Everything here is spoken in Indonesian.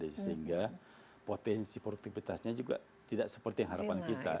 sehingga potensi produktivitasnya juga tidak seperti yang harapan kita